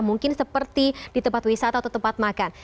mungkin seperti di tempat wisata atau tempat makan